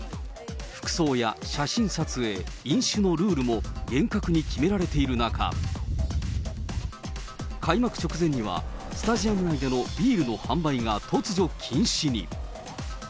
服装や写真撮影、飲酒のルールも厳格に決められている中、開幕直前には、スタジアム内でのビールの販売が突如禁止に。